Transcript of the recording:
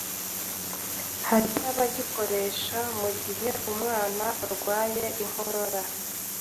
hari n’abagikoresha mu gihe umwana yarwaye inkorora,